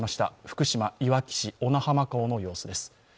福島・いわき市、小名浜港の映像です。